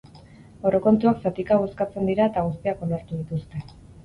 Aurrekontuak zatika bozkatzen dira eta guztiak onartu dituzte.